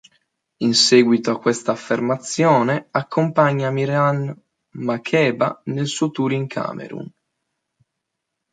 In seguito a questa affermazione, accompagna Miriam Makeba nel suo tour in Camerun.